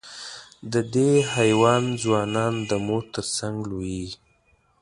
د دې حیوان ځوانان د مور تر څنګ لویېږي.